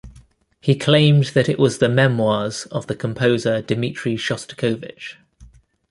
He claimed that it was the memoirs of the composer Dmitri Shostakovich.